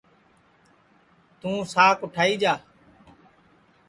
توںساک اوٹھائی جا